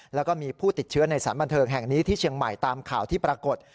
แล้วก็มีผู้ติดเชื้อในสารบันเทิงแห่งนี้ที่เชียงใหม่ตามข่าวที่ปรากฏ